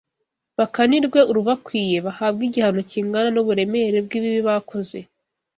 Bakanirwe urubakwiye: bahabwe igihano kingana n’uburemere bw’ibibi bakoze